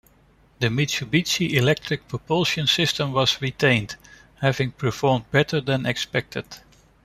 The Mitsubishi Electric propulsion system was retained, having performed better than expected.